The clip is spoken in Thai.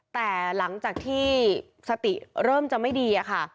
แต่หลังจากที่สติเริ่มจะไม่ดีอะค่ะ